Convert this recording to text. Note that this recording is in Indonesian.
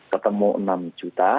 ketemu enam juta